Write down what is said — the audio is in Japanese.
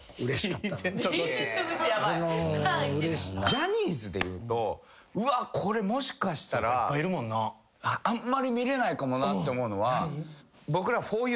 ジャニーズでいうとうわっこれもしかしたらあんまり見れないかもなって思うのは。